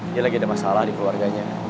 dia lagi ada masalah di keluarganya